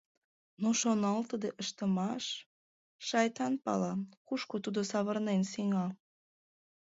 Но шоналтыде ыштымаш... шайтан пала, кушко тудо савырнен сеҥа!